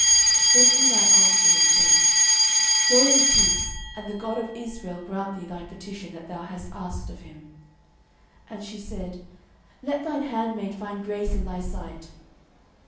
09:001:017 Then Eli answered and said, Go in peace: and the God of Israel grant thee thy petition that thou hast asked of him. 09:001:018 And she said, Let thine handmaid find grace in thy sight.